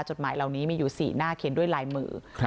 จดหมายเหล่านี้มีอยู่๔หน้าเขียนด้วยลายมือ